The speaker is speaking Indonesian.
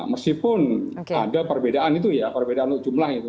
meskipun ada perbedaan itu ya perbedaan jumlah itu